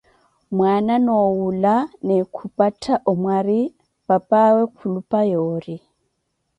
Mwaana noowula ni khupattha omwari, papawe khulupa yoori.